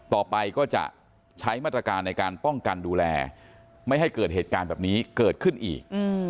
ต่อไปก็จะใช้มาตรการในการป้องกันดูแลไม่ให้เกิดเหตุการณ์แบบนี้เกิดขึ้นอีก